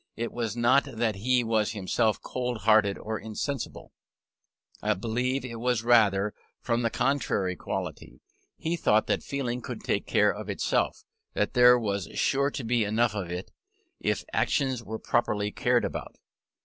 It was not that he was himself cold hearted or insensible; I believe it was rather from the contrary quality; he thought that feeling could take care of itself; that there was sure to be enough of it if actions were properly cared about.